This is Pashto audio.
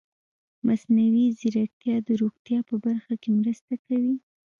مصنوعي ځیرکتیا د روغتیا په برخه کې مرسته کوي.